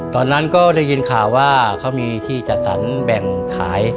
ตอนนั้นก็ได้ยินข่าวว่าเขามีที่จัดสรรแบ่งขาย